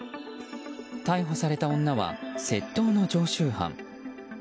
逮捕された女は窃盗の常習犯。